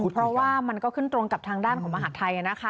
เพราะว่ามันก็ขึ้นตรงกับทางด้านของมหาดไทย